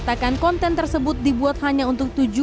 pasangan artis mbak im wong dan paula verhoeven